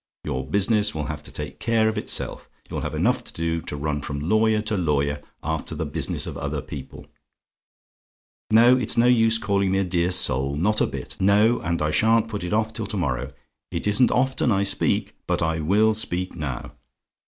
Your business will have to take care of itself; you'll have enough to do to run from lawyer to lawyer after the business of other people. Now, it's no use calling me a dear soul not a bit! No; and I shan't put it off till to morrow. It isn't often I speak, but I WILL speak now.